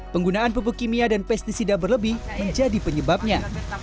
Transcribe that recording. penggunaan pupuk kimia dan pesticida berlebih menjadi penyebabnya